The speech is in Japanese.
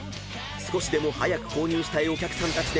少しでも早く購入したいお客さんたちで］